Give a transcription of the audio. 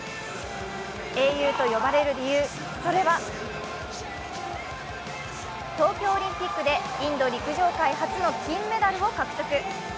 英雄と呼ばれる理由、それは東京オリンピックでインド陸上界初の金メダルを獲得。